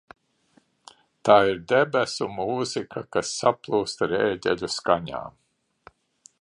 Tā ir debesu mūzika, kas saplūst ar ērģeļu skaņām.